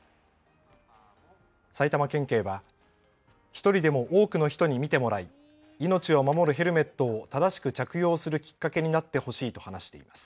埼玉県警は１人でも多くの人に見てもらい命を守るヘルメットを正しく着用するきっかけになってほしいと話しています。